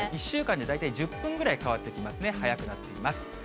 １週間で大体１０分ぐらい変わってきますね、早くなっています。